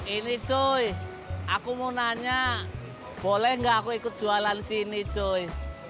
ini joy aku mau nanya boleh nggak aku ikut jualan sini joy